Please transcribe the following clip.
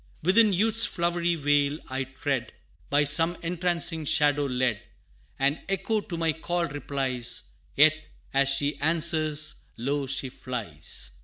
II. Within Youth's flowery vale I tread, By some entrancing shadow led And Echo to my call replies Yet, as she answers, lo, she flies!